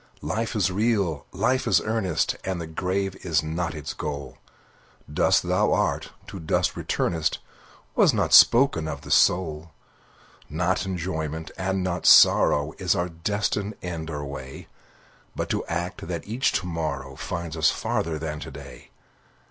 Life is real! Life is earnest! And the grave is not its goal; Dust thou art, to dust returnest, Was not spoken of the soul. Not enjoyment, and not sorrow, Is our destined end or way; But to act, that each to morrow Find us farther than to day.